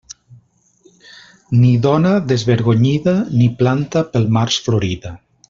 Ni dona desvergonyida, ni planta pel març florida.